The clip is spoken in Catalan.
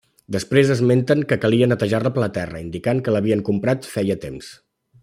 Després esmenten que calia netejar-la per la terra, indicant que l'havien comprat feia temps.